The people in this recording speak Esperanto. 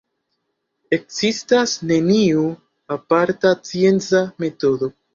Ekzistas neniu aparta scienca metodo.